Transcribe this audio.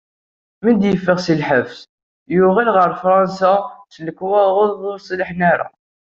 Mi d-yeffeɣ si lḥebs, yuɣal ɣer Fṛansa s lekwaɣeḍ ur nṣeḥḥa ara.